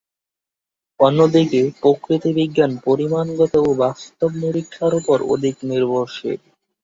অন্যদিকে প্রকৃতি বিজ্ঞান পরিমাণগত ও বাস্তব নিরীক্ষার উপর অধিক নির্ভরশীল।